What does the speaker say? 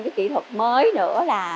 cái kỹ thuật mới nữa là